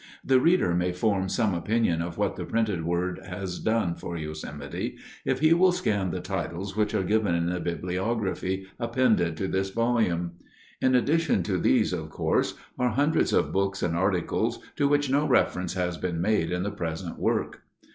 The reader may form some opinion of what the printed word has done for Yosemite, if he will scan the titles which are given in the bibliography appended to this volume. In addition to these, of course, are hundreds of books and articles to which no reference has been made in the present work.